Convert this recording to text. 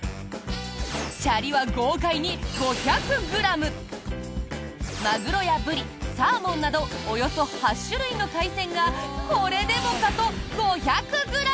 シャリは豪快に５００ｇマグロやブリ、サーモンなどおよそ８種類の海鮮がこれでもかと５００ｇ！